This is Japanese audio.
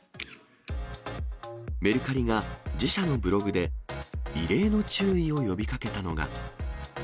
メルカリが、自社のブログで異例の注意を呼びかけたのが。